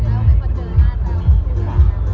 จ้อนเว่ก็จะบอกอะไรกันแล้วก็เจอกัน